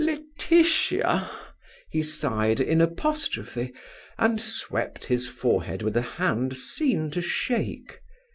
"Laetitia!" he sighed, in apostrophe, and swept his forehead with a hand seen to shake.